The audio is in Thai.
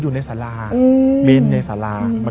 อยู่ในสาราเมนในสารา